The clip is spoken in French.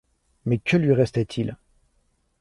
Mais que lui restait-il ?